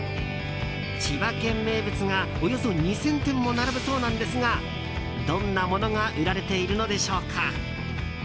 千葉県名物がおよそ２０００点も並ぶそうなんですがどんなものが売られているのでしょうか。